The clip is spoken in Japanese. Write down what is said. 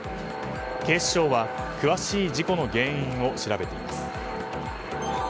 警視庁は詳しい事故の原因を調べています。